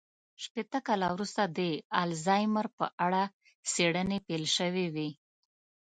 شپېته کاله وروسته د الزایمر په اړه څېړنې پيل شوې وې.